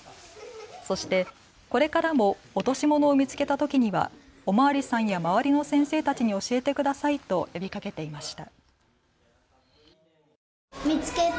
そしてこれからも落し物を見つけたときにはお巡りさんや周りの先生たちに教えてくださいと呼びかけていました。